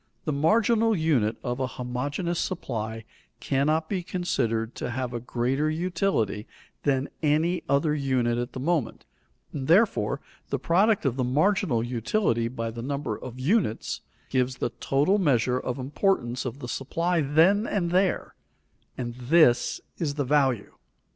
The marginal unit of a homogeneous supply cannot be considered to have a greater utility than any other unit at the moment, and therefore the product of the marginal utility by the number of units, gives the total measure of importance of the supply then and there, and this is the value.